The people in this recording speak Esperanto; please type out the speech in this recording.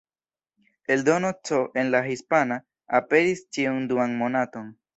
Eldono C, en la hispana, aperis ĉiun duan monaton.